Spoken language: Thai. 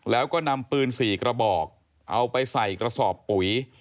แล้วก็นำปืน๔กระบอกเอาไปใส่กระสอบปุ๋ย